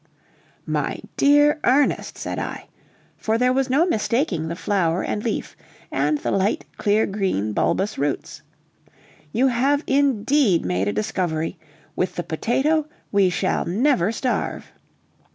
"My dear Ernest," said I, for there was no mistaking the flower and leaf, and the light clear green bulbous roots, "you have indeed made a discovery; with the potato we shall never starve."